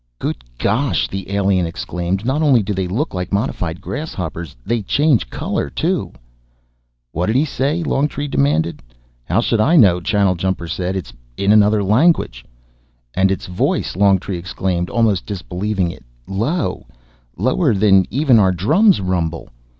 "Good gosh," the alien exclaimed. "Not only do they look like modified grasshoppers, they change color too!" "What'd he say?" Longtree demanded. "How should I know?" Channeljumper said. "It's in another language." "And its voice," Longtree exclaimed, almost disbelieving it. "Low. Lower than even our drums' rumble."